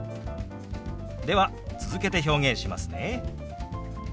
では続けて表現しますね。